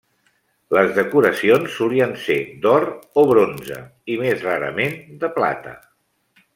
Les decoracions solien ser d'or o bronze i més rarament de plata.